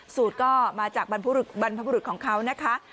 สูตรก็มาจากบรรพบุรุษของเขานะคะ